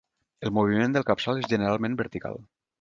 El moviment del capçal és generalment vertical.